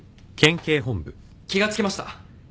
気が付きました。